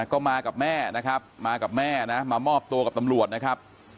ก็มากับแม่นะครับมากับแม่นะมามอบตัวกับตำรวจนะครับ